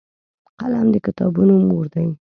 قلم د کتابونو مور دی